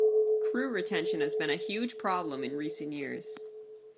Crew retention has been a huge problem in recent years.